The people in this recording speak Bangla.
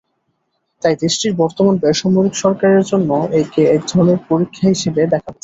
তাই দেশটির বর্তমান বেসামরিক সরকারের জন্য একে একধরনের পরীক্ষা হিসেবে দেখা হচ্ছে।